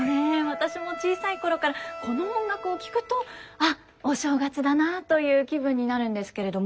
私も小さい頃からこの音楽を聴くと「あっお正月だな」という気分になるんですけれども。